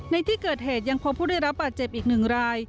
ในที่เกิดเหตุยังพบผู้ได้รับบาดเจ็บอีกหนึ่งราย